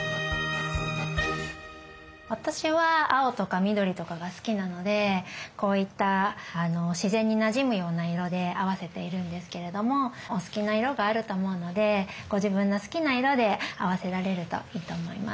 私は青とか緑とかが好きなのでこういった自然になじむような色で合わせているんですけれどもお好きな色があると思うのでご自分の好きな色で合わせられるといいと思います。